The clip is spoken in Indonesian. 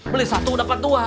beli satu dapat dua